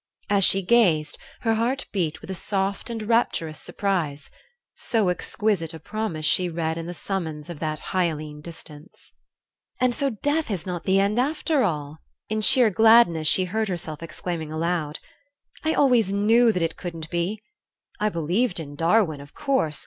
As she gazed, her heart beat with a soft and rapturous surprise; so exquisite a promise she read in the summons of that hyaline distance. "And so death is not the end after all," in sheer gladness she heard herself exclaiming aloud. "I always knew that it couldn't be. I believed in Darwin, of course.